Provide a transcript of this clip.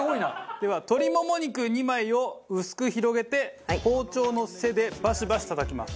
では鶏もも肉２枚を薄く広げて包丁の背でバシバシたたきます。